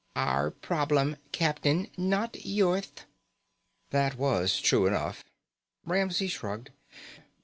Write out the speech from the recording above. "Our problem, captain. Not yourth." That was true enough. Ramsey shrugged.